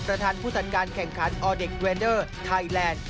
ประธานผู้จัดการแข่งขันอดฏกแวนเดอร์ไทยแลนด์